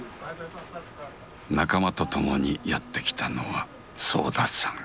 仲間と共にやって来たのは惣田さん。